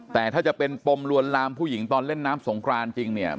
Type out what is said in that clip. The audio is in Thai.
แต่ถ้าจะเป็นปมลวนลามผู้หญิงตอนเล่นน้ำสงครานจริงเนี่ย